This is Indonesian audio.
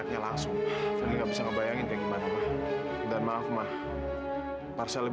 kau tapi tuister jangan ketemu siapa siapa